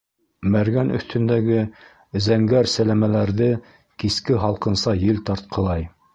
Мәргән өҫтөндәге зәңгәр сәләмәләрҙе киске һалҡынса ел тартҡылай.